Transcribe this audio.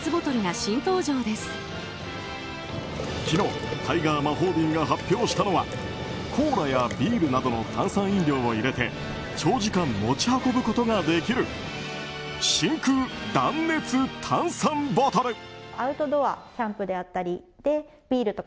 昨日タイガー魔法瓶が発表したのはコーラやビールなどの炭酸飲料を入れて超時間持ち運ぶことができる真空断熱炭酸ボトル。